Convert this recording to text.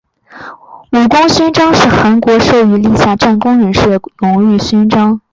武功勋章是韩国授予立下战功人士的荣誉勋章。